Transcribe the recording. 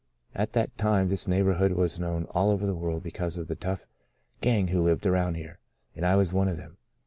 At that time this neighbourhood was known all over the world because of the tough gang who lived around here, and I was one of them.